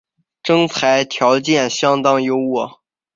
征才条件相当优渥